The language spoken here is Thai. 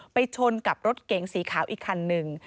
ชนกับรถเก๋งสีขาวอีกคันหนึ่ง